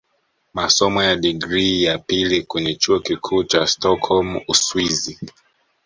Masomo ya digrii ya pili kwenye Chuo Kikuu cha Stockholm Uswizi